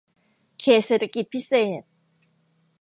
เขตเศรษฐกิจพิเศษ